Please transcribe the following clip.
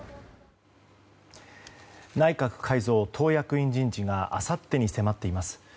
内閣改造・党役員人事があさってに迫っています。